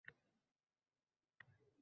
Oyog’i ostida qor g’ijirlamas